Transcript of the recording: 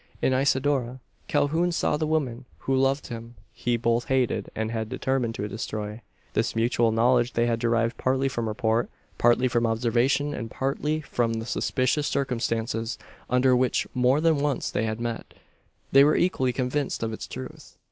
In Isidora, Calhoun saw the woman who loved him he both hated and had determined to destroy. This mutual knowledge they had derived partly from report, partly from observation, and partly from the suspicious circumstances under which more than once they had met. They were equally convinced of its truth.